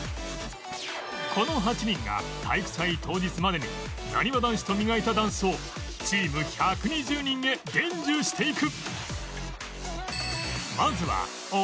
この８人が体育祭当日までになにわ男子と磨いたダンスをチーム１２０人へ伝授していく